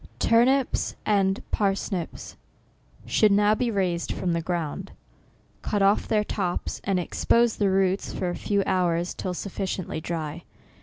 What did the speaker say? TURNIPS and PARSNIPS should now be raised from the ground. Cut off their tops, and expose the roots for a few hours, till sufficiently dry.